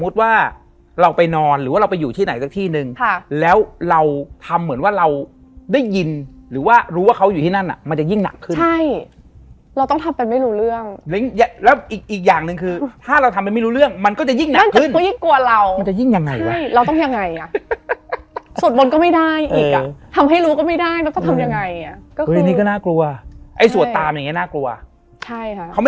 เข้าไปในลิฟต์เยอะอันนี้ก็พูดว่า